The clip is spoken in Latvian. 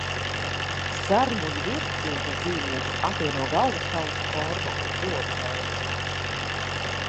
Sermuļu virsdzimtas dzīvniekus apvieno galvaskausa forma un zobu veids.